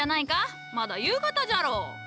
まだ夕方じゃろう。